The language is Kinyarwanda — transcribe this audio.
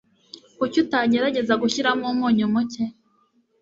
Kuki utagerageza gushyiramo umunyu muke?